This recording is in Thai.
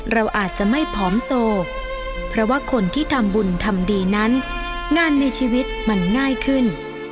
เราอาจจะไม่ผอมโซเพราะว่าคนที่ทำบุญทำดีนั้นงานในชีวิตมันง่ายขึ้น